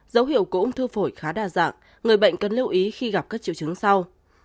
dấu hiệu của ung thư phổi khá đa dạng người bệnh cần lưu ý khi gặp các triệu chứng sau